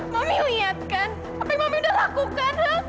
mami liatkan apa yang mami udah lakukan